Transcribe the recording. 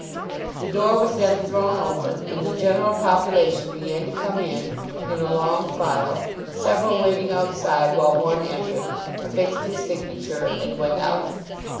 The door was then thrown open, and the general population began to come in, in a long file: several waiting outside, while one entered, affixed his signature, and went out.